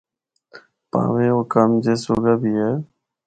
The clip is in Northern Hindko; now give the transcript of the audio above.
پاویں او کم جس جوگا بھی اے۔